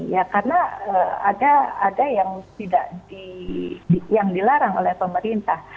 ya karena ada yang tidak di yang dilarang oleh pemerintah